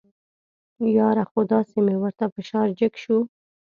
یاره خو داسې مې ورته فشار جګ شو.